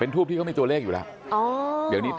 ทูปที่เขามีตัวเลขอยู่แล้ว